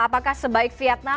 apakah sebaik vietnam